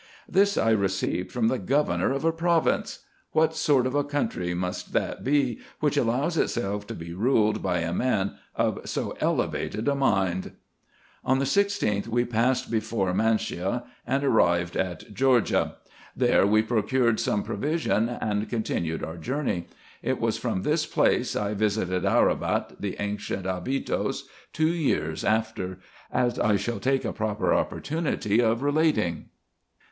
This I received from the governor of a province ! "What sort of a country must that be, which allows itself to be ruled by a man of so elevated a mind ! On the 16th we passed before Manshia, and arrived at Georgia. IN EGYPT, NUBIA, &c. 33 There we procured some provision, and continued our voyage. It was from this place I visited Arabat, the ancient Abydos, two years after, as I shall take a proper opportunity of relating.